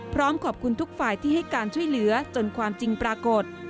พร้อมขอบคุณทุกฝ่ายที่ให้การช่วยเหลือจนความจริงปรากฏ